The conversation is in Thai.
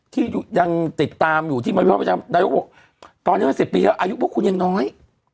ที่ยังติดตามอยู่ที่ตอนนี้ว่าสิบปีแล้วอายุบอกคุณยังน้อย